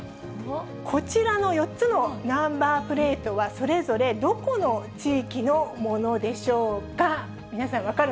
こちらの４つのナンバープレートは、それぞれどこの地域のものでしょうか。